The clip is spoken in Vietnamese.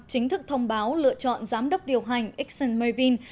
chính thức thông báo lựa chọn giám đốc điều hành exxonmobil